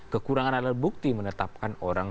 kekurangan alat bukti menetapkan orang